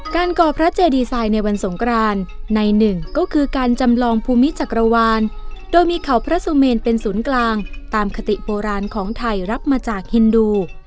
ก่อพระเจดีไซน์ในวันสงครานในหนึ่งก็คือการจำลองภูมิจักรวาลโดยมีเขาพระสุเมนเป็นศูนย์กลางตามคติโบราณของไทยรับมาจากฮินดู